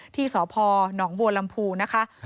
ที่สพหนองบัวลำพูนะคะ